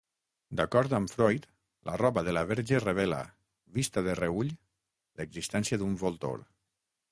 D'acord amb Freud, la roba de la Verge revela, vista de reüll, l'existència d'un voltor.